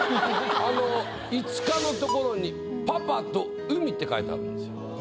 あの５日のところに「パパと海‼」って書いてあるんですよ。